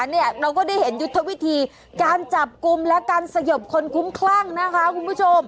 เราก็ได้เห็นยุทธวิธีการจับกลุ่มและการสยบคนคุ้มคลั่งนะคะคุณผู้ชม